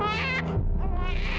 mobil yang besar